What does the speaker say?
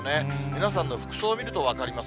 皆さんの服装を見ると分かります。